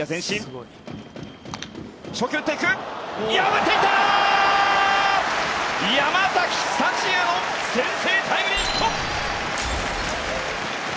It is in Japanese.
福也の先制タイムリーヒット。